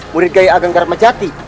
murid gaya ageng garmajati